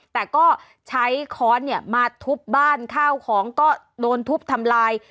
แต่ก็ใช้ค้อนมาทุบบ้านข้าวของก็โดนทุบทำลาย